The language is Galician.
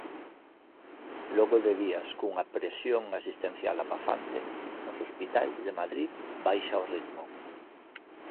Logo de días cunha presión asistencial abafante, nos hospitais de Madrid baixa o ritmo.